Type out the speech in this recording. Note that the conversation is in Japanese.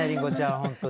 本当にね。